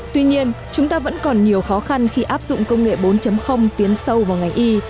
tuy nhiên chúng ta vẫn còn nhiều khó khăn khi áp dụng công nghệ bốn tiến sâu vào ngành y